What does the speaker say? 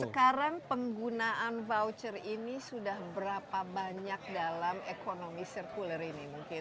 sekarang penggunaan voucher ini sudah berapa banyak dalam ekonomi sirkuler ini mungkin